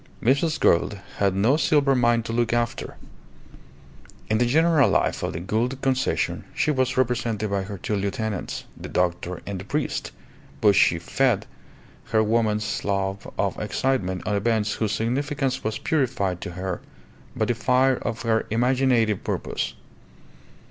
Mrs. Gould had no silver mine to look after. In the general life of the Gould Concession she was represented by her two lieutenants, the doctor and the priest, but she fed her woman's love of excitement on events whose significance was purified to her by the fire of her imaginative purpose.